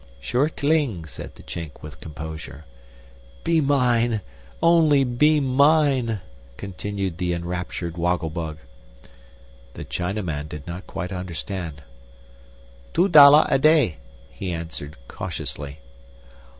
"Sure tling," said the Chink with composure. "Be mine! Only be mine!" continued the enraptured Woggle Bug. The Chinaman did not quite understand. "Two dlolla a day," he answered, cautiously.